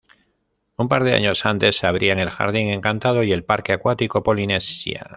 Un par de años antes abrían el Jardín Encantado y el Parque Acuático Polinesia.